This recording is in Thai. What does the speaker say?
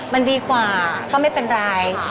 มันดีกว่าก็ไม่เป็นไร